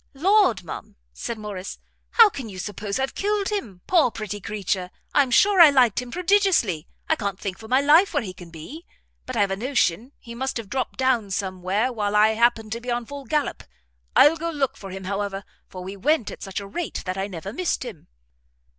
"Lord, ma'am," said Morrice, "how can you suppose I've killed him? Poor, pretty creature, I'm sure I liked him prodigiously. I can't think for my life where he can be; but I have a notion he must have dropt down some where while I happened to be on the full gallop. I'll go look [for] him, however, for we went at such a rate that I never missed him."